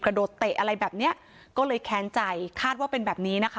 โดดเตะอะไรแบบเนี้ยก็เลยแค้นใจคาดว่าเป็นแบบนี้นะคะ